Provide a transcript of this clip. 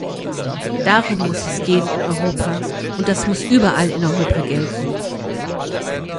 Darum muss es gehen in Europa und das muss überall in Europa gelten.